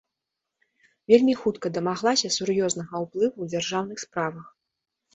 Вельмі хутка дамаглася сур'ёзнага ўплыву ў дзяржаўных справах.